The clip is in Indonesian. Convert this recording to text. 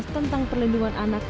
tentang perlindungan anak